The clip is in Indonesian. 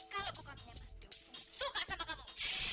kalau pokoknya mas dewo suka sama kamu